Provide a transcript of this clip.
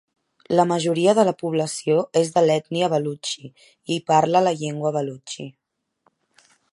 La majoria de la població és de l'ètnia Balutxi i parla la llengua Balutxi.